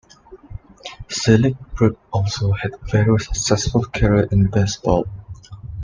Selig-Prieb also had a very successful career in Baseball.